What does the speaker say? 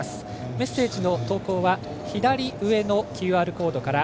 メッセージの投稿は左上のＱＲコードから。